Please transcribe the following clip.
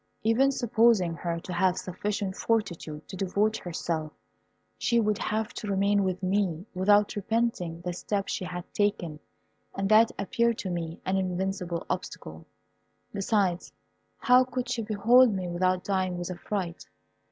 Even supposing her to have sufficient fortitude to devote herself, she would have to remain with me without repenting the step she had taken, and that appeared to me an invincible obstacle. Besides, how could she behold me without dying with affright?